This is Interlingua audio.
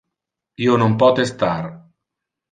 Io non pote star.